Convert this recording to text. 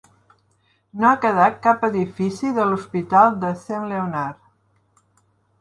No ha quedat cap edifici de l'hospital de Saint Leonard.